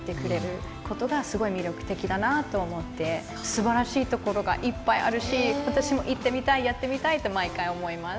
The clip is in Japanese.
すばらしいところがいっぱいあるしわたしも行ってみたいやってみたいと毎回思います。